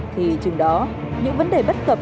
thì chừng đó những vấn đề bất cập